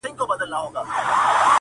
o معاش مو یو برابره مو حِصه ده,